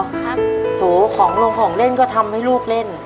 โถของลงของเล่นก็ทำให้ลูกเล่น